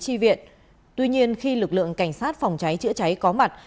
để thực hiện tuy nhiên khi lực lượng cảnh sát phòng cháy chữa cháy có mặt